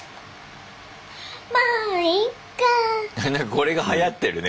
これがはやってるね